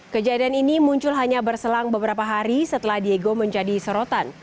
kejadian ini muncul hanya berselang beberapa hari setelah diego menjadi sorotan